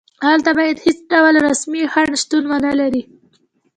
هلته باید هېڅ ډول رسمي خنډ شتون ونلري.